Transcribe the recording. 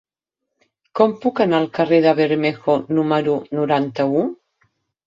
Com puc anar al carrer de Bermejo número noranta-u?